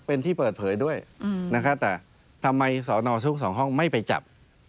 เป็นที่เปิดเผยด้วยนะครับแต่ทำไมสอนอซุกสองห้องไม่ไปจับ